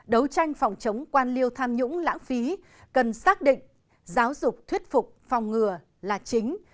đấu tranh phòng chống quan liêu tham nhũng lãng phí cần xác định giáo dục thuyết phục phòng ngừa là chính